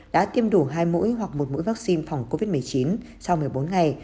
đã tiêm đủ hai mũi hoặc một mũi vaccine phòng covid một mươi chín sau một mươi bốn ngày